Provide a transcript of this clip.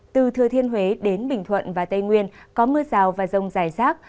từ thừa thiên huế đến bình thuận và tây nguyên có mưa rào và rông rải rác